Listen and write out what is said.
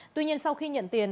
tuy nhiên sau khi nhận tiền